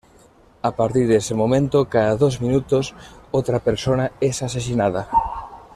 A partir de ese momento, cada dos minutos, otra persona es asesinada.